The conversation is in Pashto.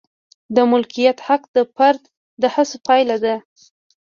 د مالکیت حق د فرد د هڅو پایله ده.